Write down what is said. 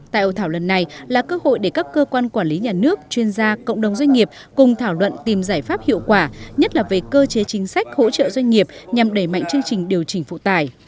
tại ổ thảo lần này là cơ hội để các cơ quan quản lý nhà nước chuyên gia cộng đồng doanh nghiệp cùng thảo luận tìm giải pháp hiệu quả nhất là về cơ chế chính sách hỗ trợ doanh nghiệp nhằm đẩy mạnh chương trình điều chỉnh phụ tải